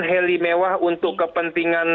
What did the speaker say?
heli mewah untuk kepentingan